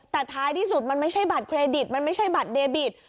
แต่ท้ายที่สุดมันไม่ใช่บัตรเครดิตมันไม่ใช่บัตรเดบิต